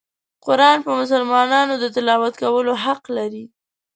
قرآن په مسلمانانو د تلاوت کولو حق لري.